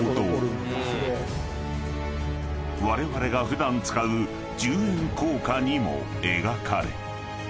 ［われわれが普段使う十円硬貨にも描かれ］